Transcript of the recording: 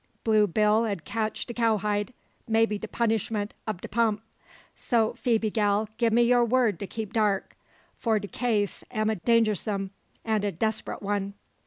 Blue Bill 'ud catch de cowhide, maybe de punishment ob de pump. So, Phoebe, gal, gi'e me yar word to keep dark, for de case am a dangersome, an a desprit one."